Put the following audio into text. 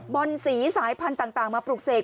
อนสีสายพันธุ์ต่างมาปลูกเสก